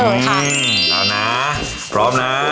เอ่อเอานะพร้อมนะ